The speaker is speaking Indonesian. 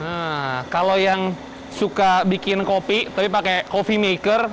nah kalau yang suka bikin kopi tapi pakai coffee maker